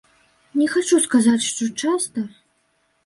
Не хачу сказаць, што часта.